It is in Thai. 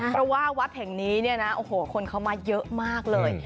เพราะว่าวัดแห่งนี้เนี่ยนะโอ้โหคนเขามาเยอะมากเลย